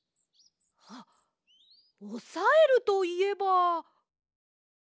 あっおさえるといえば。